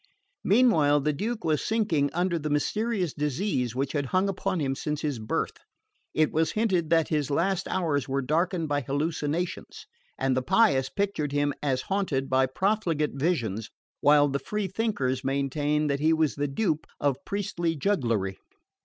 Meanwhile the Duke was sinking under the mysterious disease which had hung upon him since his birth. It was hinted that his last hours were darkened by hallucinations, and the pious pictured him as haunted by profligate visions, while the free thinkers maintained that he was the dupe of priestly jugglery.